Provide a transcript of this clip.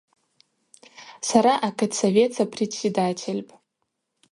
Сара акытсовет сапредседательпӏ.